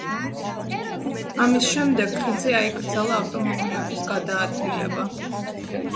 ამის შემდეგ ხიდზე აიკრძალა ავტომობილების გადაადგილება.